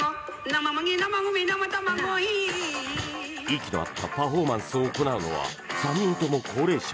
息の合ったパフォーマンスを行うのは３人とも高齢者。